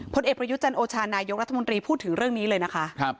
ผลเอกประยุจันโอชานายกรัฐมนตรีพูดถึงเรื่องนี้เลยนะคะ